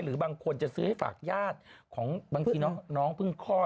หรือบางคนจะซื้อให้ฝากญาติของบางทีน้องเพิ่งคลอด